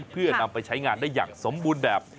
เพื่อนำไปใช้งานได้อย่างสมบูรณ์แบบ